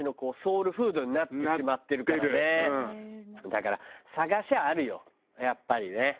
だから探しゃあるよやっぱりね。